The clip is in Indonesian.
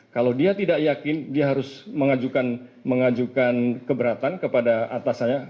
kalau dia tidak yakin dia harus mengajukan keberatan kepada atasannya